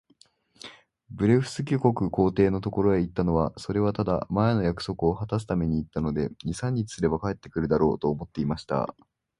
ブレフスキュ国皇帝のところへ行ったのは、それはただ、前の約束をはたすために行ったので、二三日すれば帰って来るだろう、と思っていました。